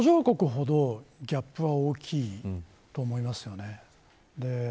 途上国ほど、ギャップは大きいと思いますよね。